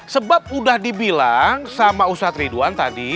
sebab udah dibilang sama ustadz ridwan tadi